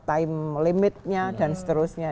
time limitnya dan seterusnya